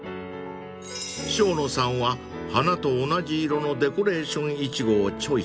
［生野さんは花と同じ色のデコレーションいちごをチョイス］